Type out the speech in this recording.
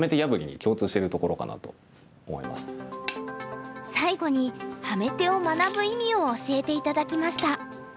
最後にハメ手を学ぶ意味を教えて頂きました。